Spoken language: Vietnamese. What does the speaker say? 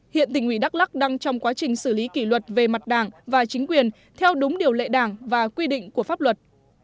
hiện tỉnh ủy đắk lắc đang trong quá trình xử lý kỷ luật về mặt đảng và chính quyền theo đúng điều lệ đảng và quy định của pháp luật